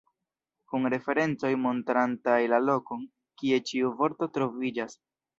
Kun referencoj montrantaj la lokon, kie ĉiu vorto troviĝas.